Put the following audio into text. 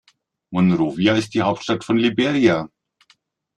Monrovia ist die Hauptstadt von Liberia.